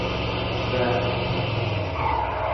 Tbeɛ!